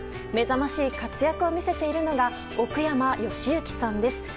目覚ましい活躍を見せているのが奥山由之さんです。